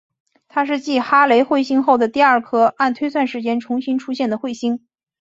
它是继哈雷彗星后第二颗按推算时间重新出现的彗星。